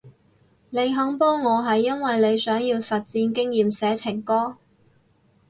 你肯幫我係因為你想要實戰經驗寫情歌？